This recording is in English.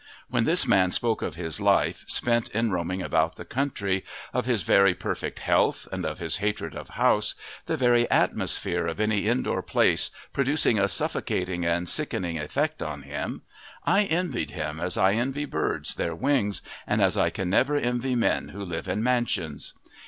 When this man spoke of his life, spent in roaming about the country, of his very perfect health, and of his hatred of houses, the very atmosphere of any indoor place producing a suffocating and sickening effect on him, I envied him as I envy birds their wings and as I can never envy men who live in mansions.